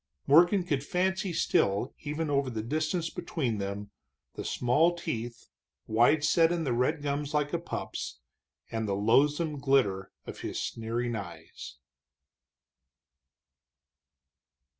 Morgan could fancy still, even over the distance between them, the small teeth, wide set in the red gums like a pup's, and the loathsome glitter of his sneering eyes.